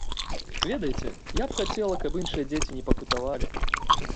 Ведаеце, я б хацела, каб іншыя дзеці не пакутавалі.